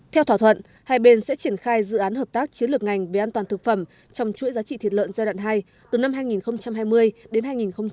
theo thỏa thuận hai bên sẽ triển khai dự án hợp tác chiến lược ngành về an toàn thực phẩm trong chuỗi giá trị thịt lợn giai đoạn hai từ năm hai nghìn hai mươi đến hai nghìn hai mươi